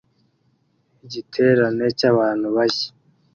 Igiterane cyabantu barya